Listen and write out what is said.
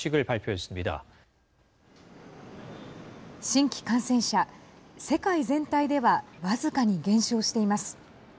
新規感染者世界全体では僅かに減少しています。